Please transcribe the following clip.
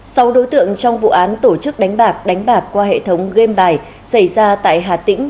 sau đối tượng trong vụ án tổ chức đánh bạc đánh bạc qua hệ thống game bài xảy ra tại hà tĩnh